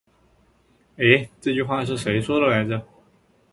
欸，这句话是谁说的来着。